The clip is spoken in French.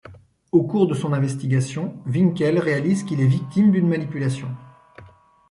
Au cours de son investigation, Winkel réalise qu'il est victime d'une manipulation.